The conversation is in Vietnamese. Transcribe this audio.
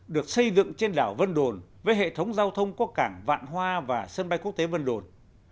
được xây dựng trên đảo vân đồn với hệ thống giao thông có cảng vạn hoa và sân bay quốc tế vân đồn